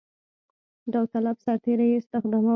داوطلب سرتېري یې استخدامول.